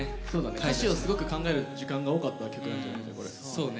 歌詞をすごく考える時間が多かった曲なんじゃない？